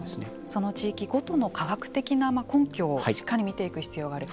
その地域ごとの科学的な根拠をしっかり見ていく必要がある。